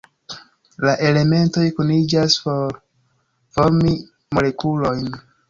La elementoj kuniĝas por formi molekulojn.